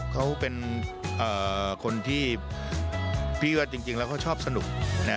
เขาเป็นคนที่พี่ก็จริงแล้วเขาชอบสนุก